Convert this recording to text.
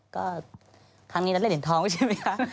ก็ครั้งนี้ละเล่นลินทองใช่ไหมคะ